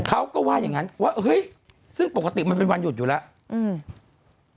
เขาก็ว่าอย่างงั้นว่าเฮ้ยซึ่งปกติมันเป็นวันหยุดอยู่แล้วอืม